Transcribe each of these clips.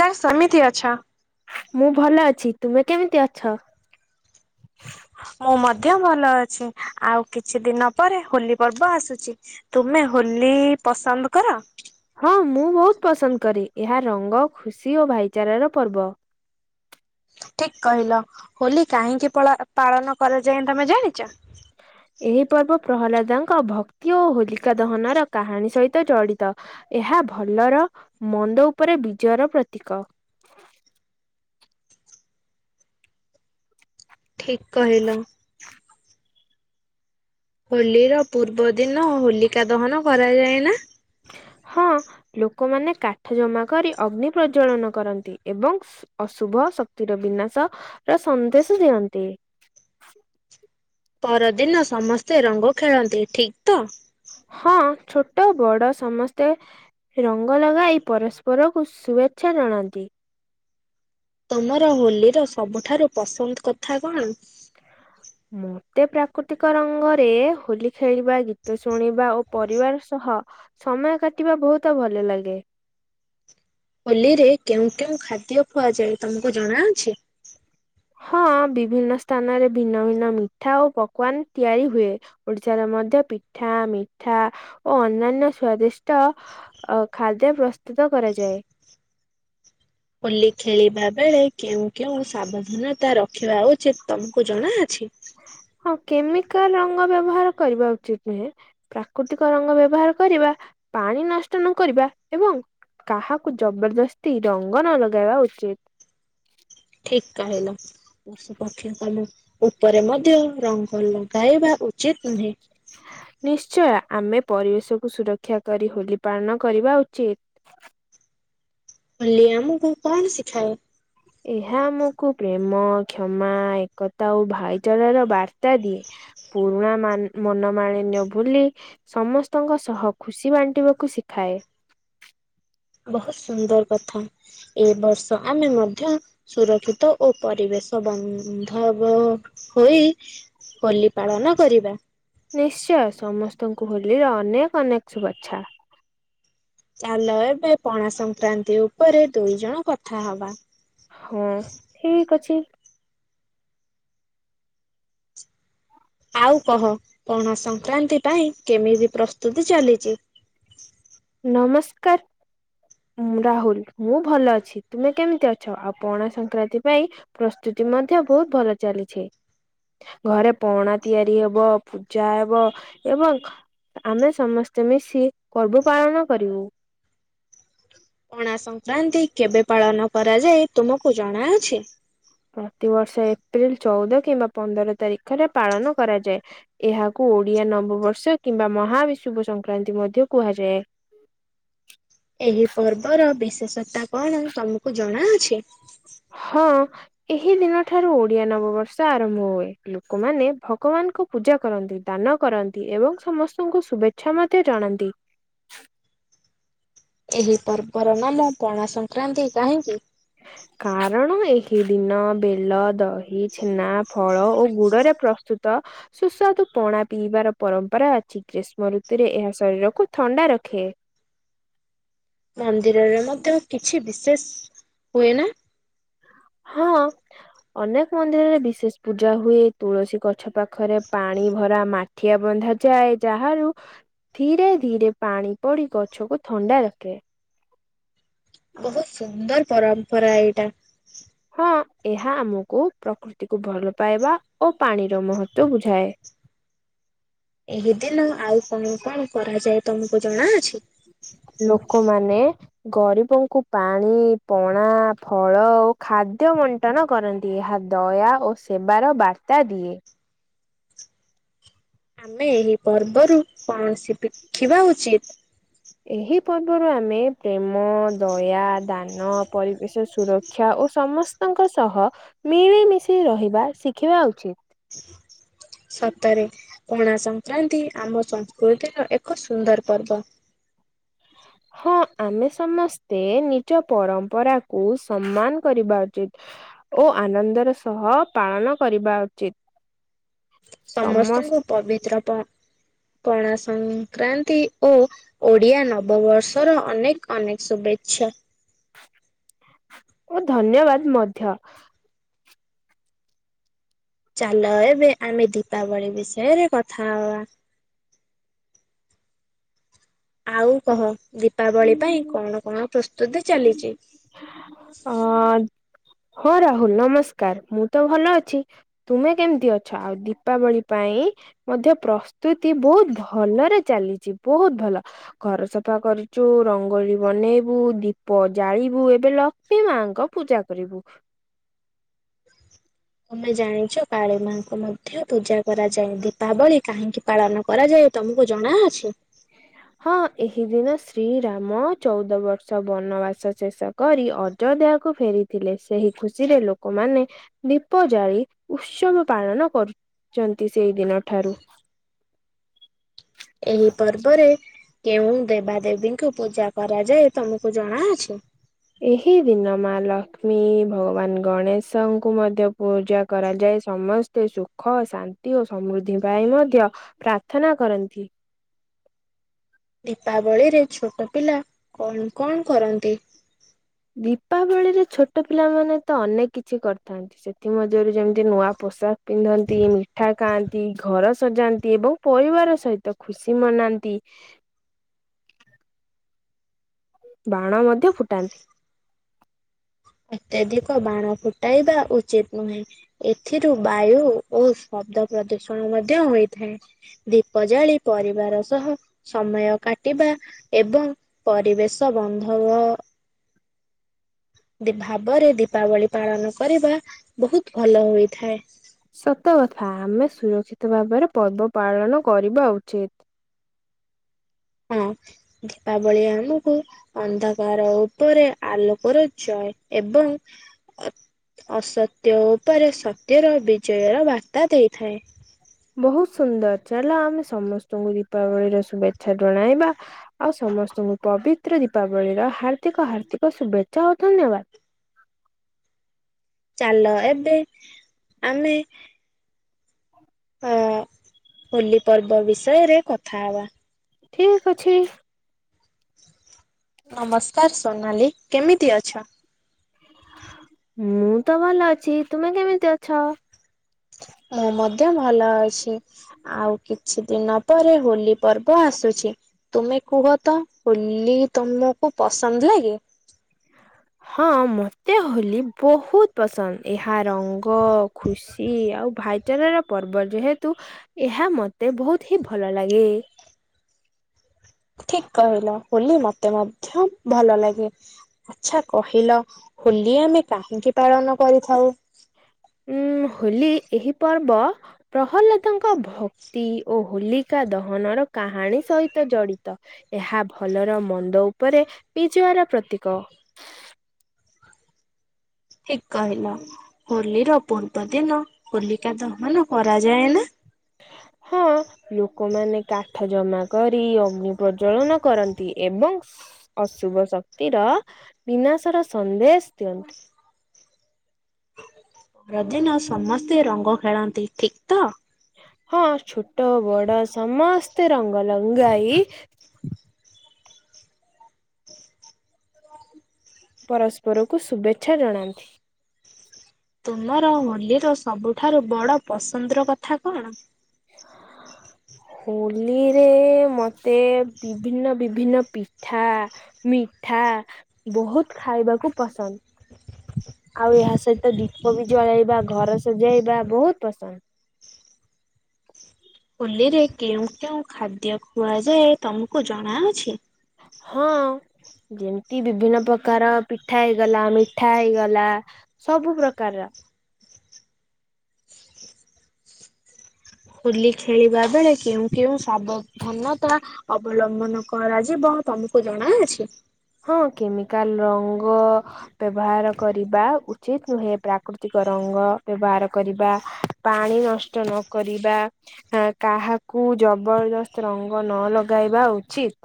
କା ସେମିତି ଅଛ। ମୁଁ ଭଲ ଅଛି, ତୁମେ କେମିତି ଅଛ? ମୁଁ ମଧ୍ୟ ଭଲ ଅଛି, ଆଉ କିଛି ଦିନ ପରେ ହୋଲି ପର୍ବ ଆସୁଛି। ତୁମେ ହୋଲି ପସନ୍ଦ କର? ହଁ, ମୁଁ ବହୁତ ପସନ୍ଦ କରେ, ଏହା ରଙ୍ଗ ଖୁସି ଓ ଭାଇଚାରାର ପର୍ବ। ଠିକ୍ କହିଲ, ହୋଲି କାହିଁକି ପଳା ପାଳନ କରାଯାଏ ତମେ ଜାଣିଚ? ଏହି ପର୍ବ ପ୍ରହ୍ଲାଦାଙ୍କ ଭକ୍ତି ଓ ହୋଲିକା ଦହାନାର କାହାଣୀ ସହିତ ଜଡ଼ିତ ଏହା ଭଲର ମନ୍ଦ ଉପରେ ବିଜୟର ପ୍ରତୀକ। ଠିକ୍ କହିଲ। ହୋଲିର ପୂର୍ବଦିନ ହୋଲିକା ଦହନ କରାଯାଏ ନା? ହଁ ଲୋକମାନେ କାଠ ଜମା କରି ଅଗ୍ନି ପ୍ରଜ୍ଵଳନ କରନ୍ତି ଏବଂ ଅଶୁଭ ଶକ୍ତିର ବିନାଶ ତା ସନ୍ଦେଶ ଦିଅନ୍ତି। ପରଦିନ ସମସ୍ତେ ରଙ୍ଗ ଖେଳନ୍ତି ଠିକ୍ ତ? ହଁ ଛୋଟ ବଡ଼ ସମସ୍ତେ ରଙ୍ଗ ଲଗାଇ ପରସ୍ପରକୁ ଶୁଭେଚ୍ଛା ଜଣାନ୍ତି। ତମର ହୋଲିର ସବୁଠାରୁ ପସନ୍ଦ୍ କଥା କଣ? ମୋତେ ପ୍ରାକୃତିକ ରଙ୍ଗରେ ହୋଲି ଖେଳିବା ଗୀତ ଶୁଣିବା ଓ ପରିବାର ସହ ସମୟ କାଟିବା ବହୁତ ଭଲ ଲାଗେ। ହୋଲିରେ କେଉଁ କେଉଁ ଖାଦ୍ୟ ଖୁହାଯାଏ ତମକୁ ଜଣାଅଛି? ହଁ ବିଭିନ୍ନ ସ୍ଥାନରେ ଭିନ୍ନ ଭିନ୍ନ ମିଠା ଓ ପକ୍ୱାନ୍ ତିଆରି ହୁଏ। ଓଡିଶାରେ ମଧ୍ୟ ପିଠା, ମିଠା ଓ ଅନ୍ୟାନ୍ୟ ସ୍ଵାଦିଷ୍ଟ ଅ ଖାଦ୍ୟ ପ୍ରସ୍ତୁତ କରାଯାଏ। ହୋଲି ଖେଳିବା ବେଳେ କେଉଁ କେଉଁ ସାବଧାନତା ରଖିବା ଉଚିତ୍ ତମ୍କୁ ଜଣାଅଛି? ହଁ କେମିକାଲ୍ ରଙ୍ଗ ବ୍ୟବହାର କରିବା ଉଚିତ୍ ନୁହେଁ। ପ୍ରାକୃତିକ ରଙ୍ଗ ବ୍ୟବହାର କରିବା ପାଣି ନଷ୍ଟ ନ କରିବା ଏବଂ କାହାକୁ ଜବର୍ଦସ୍ତି ରଙ୍ଗ ନ ଲଗାଇବା ଉଚିତ୍। ଠିକ୍ କହିଲ। ପଶୁପକ୍ଷୀ [unintelligible] ଉପରେ ମଧ୍ୟ ରଙ୍ଗ ଲଗାଇବା ଉଚିତ୍ ନୁହେଁ। ନିଶ୍ଚୟ ଆମେ ପରିବେଶକୁୁ ସୁରକ୍ଷା କରି ହୋଲି ପାଳନ କରିବା ଉଚିତ୍। ହୋଲି ଆମକୁ କଣ ଶିଖାଏ? ଏହା ଆମକୁ ପ୍ରେମ, କ୍ଷମା, ଏକତା ଓ ଭାଇଚାରାର ବାର୍ତ୍ତା ଦିଏ। ପୁରୁଣା ମାନ୍ ମନମାଳିନ୍ୟ ଭୁଲି ସମସ୍ତଙ୍କ ସହ ଖୁସି ବାଣ୍ଟିବାକୁ ଶିଖାଏ। ବହୁତ୍ ସୁନ୍ଦର୍ କଥା ଏ ବର୍ଷ ଆମେ ମଧ୍ୟ ସୁରକ୍ଷିତ ଓ ପରିବେଶ ବନ୍ଧବ ହୋଇ ହୋଲି ପାଳନ କରିବା। ନିଶ୍ଚୟ ସମସ୍ତଙ୍କୁ ହୋଲିର ଅନେକ୍ ଅନେକ୍ ଶୁଭେଚ୍ଛା। ଚାଲ ଏବେ ପଣା ସଂକ୍ରାନ୍ତି ଉପରେ ଦୁଇ ଜଣ କଥା ହବା। ହଁ ଠିକ୍ ଅଚି। ଆଉ କହ ପଣା ସଂକ୍ରାନ୍ତି ପାଇଁ କେମିତି ପ୍ରସ୍ତୁତି ଚାଲିଚି? ନମସ୍କାର୍। ମୁଁ ରାହୁଲ୍ ମୁଁ ଭଲ ଅଛି ତୁମେ କେମିତି ଅଛ ଆଉ ପଣା ସଂକ୍ରାନ୍ତି ପାଇଁ ପ୍ରସ୍ତୁତି ମଧ୍ୟ ବହୁତ୍ ଭଲ ଚାଲିଛି‌। ଘରେ ପଣା ତିଆରି ହବ ପୂଜା ହେବ ଏବଂ ଆମେ ସମସ୍ତେ ମିଶି ପର୍ବ ପାଳନ କରିବୁ। ପଣା ସଂକ୍ରାନ୍ତି କେବେ ପାଳନ କରାଯାଏ ତୁମକୁ ଜଣାଅଛି? ପ୍ରତିବର୍ଷ ଏପ୍ରିଲ୍ ଚଉଦ କିମ୍ବା ପନ୍ଦର ତାରିଖରେ ପାଳନ କରାଯାଏ। ଏହାକୁ ଓଡ଼ିଆ ନବବର୍ଷ କିମ୍ବା ମହାବିଶୁଭ ସଂକ୍ରାନ୍ତି ମଧ୍ୟ କୁହାଯାଏ। ଏହି ପର୍ବର ବିଶେଷତା କଣ ତମକୁ ଜଣାଅଛି? ହଁ ଏହି ନୀଳ ଠାରୁ ଓଡିଆ ନବବର୍ଷ ଆରମ୍ଭ ହୁଏ ଲୋକମାନେ ଭଗବାନ୍କୁ ପୂଜା କରନ୍ତି ଦାନ କରନ୍ତି ଏବଂ ସମସ୍ତଙ୍କୁ ଶୁଭେଚ୍ଛା ମଧ୍ୟ ଜଣାନ୍ତି। ଏହି ପର୍ବର ନାମ ପଣା ସଂକ୍ରାନ୍ତି କାହିଁକି? କାରଣ ଏହି ଦିନ ବେଲ, ଦହି, ଛେନା ଫଳ ଓ ଗୁଡ଼ରେ ପ୍ରସ୍ତୁତ ସୁସ୍ୱାଦୁ ପଣା ପିଇବାର ପରମ୍ପରା ଅଛି ଗ୍ରୀଷ୍ମ ଋତୁରେ ଏହା ଶରୀରକୁ ଥଣ୍ଡା ରଖେ। ମନ୍ଦିରରେ ମଧ୍ୟ କିଛି ବିଶେଷ ହୁଏ ନା ହଁ। ଅନେକ ମନ୍ଦିରରେ ବିଶେଷ ପୂଜା ହୁଏ ତୁଳସୀ ଗଛ ପାଖରେ ପାଣି ଭରା ମା ଠିଆ ବନ୍ଧାାଯାଏ ଯାହାରୁ ଧୀରେ ଧୀରେ ପାଣି ପଡ଼ି ଗଛକୁ ଥଣ୍ଡା ରଖେ। ବହୁତ ସୁନ୍ଦର ପରମ୍ପରା ଏଇଟା ହଁ ଏହା ଆମକୁ ପ୍ରକୃତିକୁ ଭଲ ପାଇବା ଓ ପାଣିର ମହତୁଅ ବୁଝାଏ। ଏହି ଦିନ ଆଉ କଣ କଣ କରାଯାଏ ତମକୁ ଜଣାଅଛି? ଲୋକମାନେ ଗରିବଙ୍କୁ ପାଣି ପଣା ଫଳ ଓ ଖାଦ୍ୟ ମ ବଠନ କରନ୍ତି ଏହା ଦୟା ଓ ସେବାର ବାର୍ତ୍ତା ଦିଏ। ଆମେ ଏହି ପର୍ବରୁ କୌଣସି ପିଖିବା ଉଚିତ୍। ଏହି ପର୍ବରୁ ଆମେ ପ୍ରେମ ଦୟା ଦାନ ପରିବେଶ ସୁରକ୍ଷ ଶିକ୍ଷା ଓ ସମସ୍ତଙ୍କ ସହ ମିଳିମିଶି ରହିବା ଶିଖିବା ଉଚିତ୍। [inaudible] ସତରେ ପଣା ସଂକ୍ରାନ୍ତି ଆମ ସଂସ୍କୃତିର ଏକ ସୁନ୍ଦର ପର୍ବ। [inaudible] ହଁ ଆମେ ସମସ୍ତେ ନିଜ ପରମ୍ପରାକୁୁ ସମ୍ମାନ କରିବା ଉଚିତ୍। ଓ ଆନନ୍ଦର ସହ ପାଳନ କରିବା ଉଚିତ। ସମ ସମସ୍ତଙ୍କୁ ପବିତ୍ର ପଣା ସଂକ୍ରକ୍ରାନ୍ତି ଓ ଓଡିଆ ନବବର୍ଷର ଅନେକ ଅନେକ ଶୁଭେଚ୍ଛା ଓ ଧନ୍ୟବାଦ ମଧ୍ୟ। ଚାଲ ଏବେ ଆମେ ଦୀପାବଳି ବିଷୟରେ କଥା ହବା। ଆଉ କହ ଦୀପାବଳି ପାଇଁ କଣ କଣ ପ୍ରସ୍ତୁତି ଚାଲିଛି? ଅ ହଁ ରାହୁଲ ନମସ୍କାର ମୁଁ ତ ଭଲ ଅଛି। ତୁମେ କେମିତି ଅଛ ଆଉ ଦୀପାବଳି ପାଇଁ ମଧ୍ୟ ପ୍ରସ୍ତୁତି ବହୁତ ଭଲରେ ଚାଲିଛି ବହୁତ ଭଲ। ଘର ସଫା କରୁଚୁ ରଙ୍ଗଳି ବନେଇବୁ ଦୀପ ଜାଳିବୁ ଏବେ ଲକ୍ଷ୍ମୀ ମାଙ୍କ ପୂଜା କରିବୁ। ତମେ ଜାଣିଛ କାଳୀ ମାଙ୍କୁ ମଧ୍ୟ ପୂଜା କରାଯାଏ ଦୀପାବଳି କାହିଁକି ପାଳନ କରାଯାଏ ତମକୁ ଜଣା ଅଛି? ହଁ ଏହି ଦିନ ଶ୍ରୀରାମ ଚଉଦ ବର୍ଷ ବନବାସ ଶେଷ କରି ଅଜଢିୟା କୁ ଫେରିଥିଲେ ସେହି ଖୁସିରେ ଲୋକମାନେ ଦୀପ ଜାଳି ଉତ୍ସବ ପାଳନ କରୁଛନ୍ତି ସେଇ ଦିନ ଠାରୁ। ଏହି ପର୍ବରେ କେଉଁ ଦେବାଦେବୀଙ୍କୁ ପୂଜା କରାଯାଏ ତମକୁ ଜଣାଅଛି? ଏହି ଦିନ ମା ଲକ୍ଷ୍ମୀ ଭଗବାନ ଗଣେଶଙ୍କୁ ମଧ୍ୟ ପୂଜା କରାଯାଏ ସମସ୍ତ ସେ ସୁଖ ଶାନ୍ତି ଓ ସମୃଦ୍ଧି ପାଇଁ ମଧ୍ୟ ପ୍ରାର୍ଥନା କରନ୍ତି। ଦୀପାବଳିରେ ଛୋଟ ପିଲା କଣ କଣ କରନ୍ତି? ଦୀପାବଳିରେ ଛୋଟ ପିଲାମାନୋନେ ତ ଅନେକ କିଛି କରିଥାନ୍ତି। ସେଥିମରୁ ଯେମିତି ନୂଆ ପୋଷାକ ପିନ୍ଧନ୍ତି ମିଠା ଖାଆନ୍ତି ଘର ସଜାନ୍ତି ପରିବାର ସହିତ ଖୁସି ମନାନ୍ତି। ବାଣ ମଧ୍ୟ ଫୁଟାନ୍ତି। ଅତ୍ୟଧିକ ବାଣ ଫୁଟାଇବା ଉଚିତ ନୁହେଁ। ଏଥିରୁ ବାୟୁ ଓ ଶବ୍ଦ ପ୍ରଦୂଷଣ ମଧ୍ୟ ହୋଇଥାଏ। ଦୀପ ଜାଳି ପରିବାର ସହ ସମୟ କାଟିବା। ଏବଂ ପରିବେଶ ବନ୍ଧବ। ଭାବରେ ଦୀପାବଳି ପାଳନ କରିବା ବହୁତ ଭଲ ହୋଇଥାଏ। ସତକଥା ଆମେ ସୁରକ୍ଷିତ ଭାବରେ ପର୍ବ ପାଳନ କରିବା ଉଚିତ। ହଁ ଦୀପାବଳି ଆମକୁ ଅନ୍ଧକାର ଉପରେ ଆଲୋକର ଜୟ ଏବଂ ଅ ଅସତ୍ୟ ଉପରେ ସତ୍ୟର ବିଜୟର ବାର୍ତ୍ତା ଦେଇଥାଏ। ବହୁତ୍ ସୁନ୍ଦର୍ ଚାଲ ଆମେ ସମସ୍ତଙ୍କୁ ଦୀପାବଳିର ଶୁଭେଚ୍ଛା ଜଣାଇବା। ଆଉ ସମସ୍ତଙ୍କୁ ପବିତ୍ର ଦୀପାବଳି ର ହାର୍ଦ୍ଦିକ ହାର୍ଦ୍ଦିକ ଶୁଭେଚ୍ଛା ଆଉ ଧନ୍ୟବାଦ। ଚାଲ ଏବେ ଆମେ ଅ ହୋଲି ପର୍ବ ବିଷୟରେ କଥା ହବା। ଠିକ୍ ଅଛି। ନମସ୍କାର ସୋନାଲି କେମିତି ଅଛ? ମୁଁ ତ ଭଲ ଅଛି। ତୁମେ କେମିତି ଅଛ? ମୁଁ ମଧ୍ୟ ଭଲ ଅଛି। ଆଉ କିଛି ଦିନ ପରେ ହୋଲି ପର୍ବ ଆସୁଛି। ତୁମେ କୁହ ତ ହୋଲି ତୁମକୁ ପସନ୍ଦ୍ ଲାଗେ? ହଁ ମତେ ହୋଲି ବହୁତ୍ ପସନ୍ଦ ଏହା ରଙ୍ଗ ଖୁସି ଆଉ ଭାଇ ଚାରର ପର୍ବ ଯେହେତୁ ଏହା ମୋତେ ବହୁତ ହିଁ ଭଲ ଲାଗେ। ଠିକ୍ କହିଲ ହୋଲି ମତେ ମଧ୍ୟ ଭଲ ଲାଗେ। ଆଛା କହିଲ ହୋଲି ଆମେ କାହିଁକି ପାଳନ କରିଥାଉ? ଉଁ ହୋଲି ଏହି ପର୍ବ ପ୍ରହ୍ଲାଦଙ୍କ ଭକ୍ତି ଓ ହୋଲିକା ଦହନର କାହାଣୀ ସହିତ ଜଡ଼ିତ। ଏହା ଭଲର ମନ୍ଦ ଉପରେ ପିଜୟର ପ୍ରତୀକ। ଠିକ୍ କହିଲ ହୋଲି ର ପୂର୍ବ ଦିନ ହୋଲିକା ଦହନ କରାଯାଏ ନା। ହଁ। ଲୋକମାନେ କାଠ ଜମା କରି ଅଗ୍ନି ପ୍ରଜଳନ କରନ୍ତି ଏବଂ ସ୍ ଅଶୁଭ ଶକ୍ତିର ବିନାଶର ସନ୍ଦେଶ୍ ଦିଅନ୍ତି। ରଦିନ ସମସ୍ତେ ରଙ୍ଗ ଖେଳନ୍ତି ଠିକ୍ ତ। ହଁ ଛୋଟ ବଡ ସମସ୍ତେ ରଙ୍ଗ ଲଙ୍ଗାଇ ପରସ୍ପରକୁ ଶୁଭେଚ୍ଛା ଜଣାନ୍ତି‌‌। ତୁମର ହୋଲିର ସବୁଠାରୁ ବଡ଼ ପସନ୍ଦର କଥା କଣ? ହୋଲିରେ ମୋତେ ବିଭିନ୍ନ ବିଭିନ୍ନ ପିଠା ମିଠା ବହୁତ୍ ଖାଇବାକୁ ପସନ୍ଦ୍ ଆଉ ଏହା ସହିତ ଦୀପ ବି ଜଳେଇବା ଘର ସଜାଇବା ବହୁତ୍ ପସନ୍ଦ୍। ହୋଲିରେ କେଉଁ କେଉଁ ଖାଦ୍ୟ ଖୁଆଯାଏ ତମୁକୁ ଜଣାଅଛି? ହଁ। ଯେମିତି ବିଭିନ୍ନ ପ୍ରକାର ପିଠାଇଗଲା ମିଠାଇଗଲା ସବୁ ପ୍ରକାରର ହୋଲି ଖେଳିବା ବେଳେ କେଉଁ କେଉଁ ସାବଧନତା ଅବଲମ୍ବନ କରାଯିବ ତମୁକୁ ଜଣାଅଛି? ହଁ କେମିକାଲ୍ ରଙ୍ଗ ବ୍ୟବହାର କରିବା ଉଚିତ୍ ନୁହେଁ। ପ୍ରାକୃତିକ ରଙ୍ଗ ବ୍ୟବହାର କରିବା। ପାଣି ନଷ୍ଟ ନକରିବା। ହଁ କାହାକୁ ଜବର୍ ଦସ୍ତ୍ ରଙ୍ଗ ନ ଲଗାଇବା ଉଚିତ୍।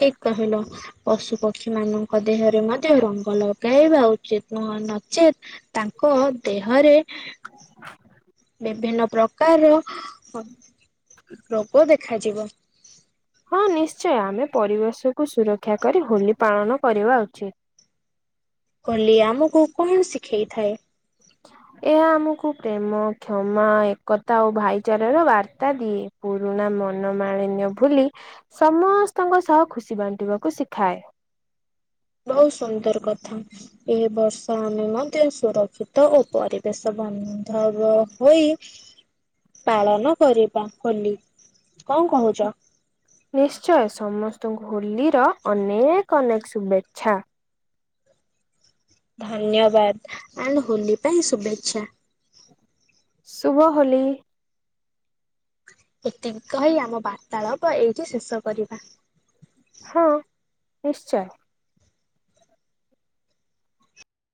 ଠିକ୍ କହିଲ। ପଶୁ ପକ୍ଷୀ ମାନଙ୍କ ଦେହରେ ମଧ୍ୟ ରଙ୍ଗ ଲଗାଇବା ଉଚିତ୍ ନୁହଁ ନଚେତ୍ ତାଙ୍କ ଦେହରେ ଭିନ୍ନ ପ୍ରକାରର ରୋଗ ଦେଖାଯିବ। ହଁ ନିଶ୍ଚୟ ଆମେ ପରିବେଶକୁୁ ସୁରକ୍ଷା କରି ହୋଲି ପାଳନ କରିବା ଉଚିତ୍। ହୋଲି ଆମକୁ କଣ ଶିଖେଇଥାଏ? ଏହା ଆମକୁ ପ୍ରେମ, କ୍ଷମା, ଏକତା ଓ ଭାଇଚାରାର ବାର୍ତ୍ତା ଦିଏ। ପୁରୁଣା ମନମାଳିନ୍ୟ ଭୁଲି ସମସ୍ତଙ୍କ ସହ ଖୁସି ବାଣ୍ଟିବାକୁ ଶିଖାଏ। ବହୁତ ସୁନ୍ଦର କଥା। ଏ ବର୍ଷ ଆମେ ମଧ୍ୟ ସୁରକ୍ଷିତ ଓ ପରିବେଶ ବନ୍ଧବ ହୋଇ ପାଳନ କରିବା ହୋଲି କଣ କହୁଛ? ନିଶ୍ଚୟ ସମସ୍ତଙ୍କୁ ହୋଲିର ଅନେକ ଅନେକ ଶୁଭେଚ୍ଛା। ଧନ୍ୟବାଦ ଆଣ୍ଡ ହୋଲି ପାଇଁ ଶୁଭେଚ୍ଛା। ଶୁଭ ହୋଲି। ଏତିକି କହି ଆମ ବାର୍ତ୍ତାଳାପ ଏଇଠି ଶେଷ କରିବା। ହଁ ନିଶ୍ଚୟ।